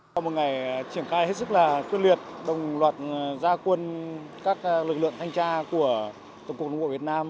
sau một ngày triển khai hết sức là quyết liệt đồng loạt gia quân các lực lượng thanh tra của tổng cục đồng bộ việt nam